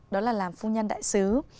đó là làm phu nhân đại sứ